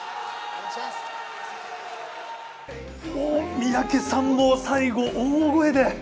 三宅さん、最後、大声で。